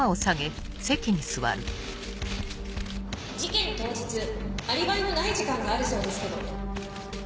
事件当日アリバイのない時間があるそうですけど？